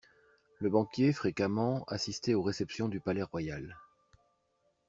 Le banquier, fréquemment, assistait aux réceptions du Palais-Royal.